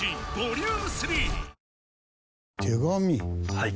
はい。